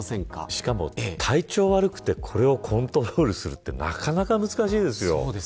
しかも体調悪くてこれをコントロールするってなかなか難しいですよ。